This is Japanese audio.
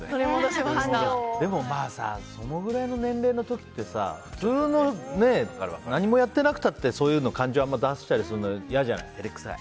でもそのくらいの年齢の時って普通の、何もやってなくたってそういうの感情を出したりするの嫌じゃない。